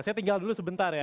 saya tinggal dulu sebentar ya